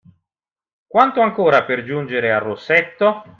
Quanto ancora per giungere a Rosetto?